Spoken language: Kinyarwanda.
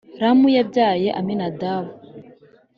Ramu yabyaye Aminadabu